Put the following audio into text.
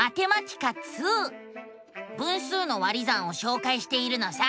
分数の「割り算」をしょうかいしているのさ。